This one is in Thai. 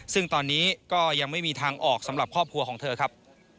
ซึ่งตอนนี้ก็ยังไม่มีทางออกสำหรับครอบครัวของเธอครับ